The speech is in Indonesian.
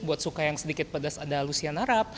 buat suka yang sedikit pedas ada lucia narap